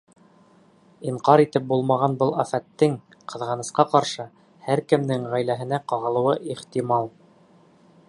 Инҡар итеп булмаған был афәттең, ҡыҙғанысҡа ҡаршы, һәр кемдең ғаиләһенә ҡағылыуы ихтимал.